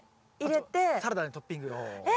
あとサラダにトッピング。え！